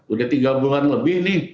udah tiga bulan lebih nih